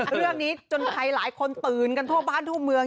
เรื่องนี้จนใครหลายคนตื่นกันทั่วบ้านทั่วเมือง